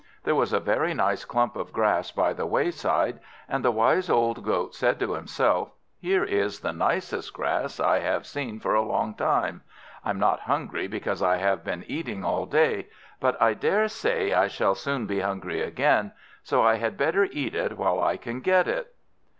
There was a very nice clump of grass by the wayside, and the wise old Goat said to herself, "Here is the nicest grass I have seen for a long time. I'm not hungry, because I have been eating all day; but I daresay I shall soon be hungry again, so I had better eat it while I can get it."